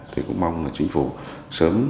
thì cũng mong là chính phủ sớm